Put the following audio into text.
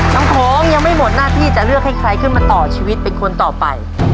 โค้งยังไม่หมดหน้าที่จะเลือกให้ใครขึ้นมาต่อชีวิตเป็นคนต่อไป